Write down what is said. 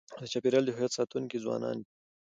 د چاپېریال د هویت ساتونکي ځوانان دي.